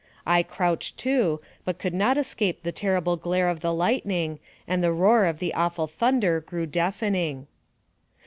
I crouched, too, but could not escape the terrible glare of the lightning, and the roar of the awful thunder grew deafening.